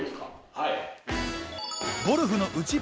はい。